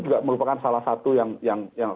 juga merupakan salah satu yang